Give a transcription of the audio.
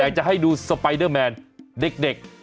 อยากจะให้ดูสไปเดอร์แมนเด็ก